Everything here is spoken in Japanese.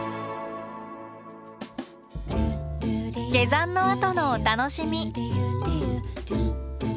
下山のあとのお楽しみ。